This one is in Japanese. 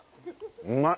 うまい！